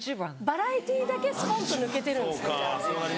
バラエティーだけすぽんと抜けてるんですね。